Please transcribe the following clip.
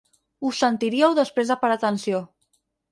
Ho sentiríeu després de parar atenció.